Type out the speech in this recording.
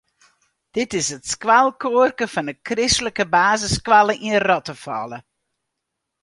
Dit is it skoalkoarke fan de kristlike basisskoalle yn Rottefalle.